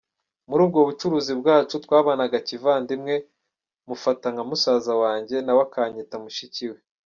Muri ubwo bucuruzi bwacu twabanaga kivandimwe mufata nka musaza wanjye nawe akanyita mushiki we.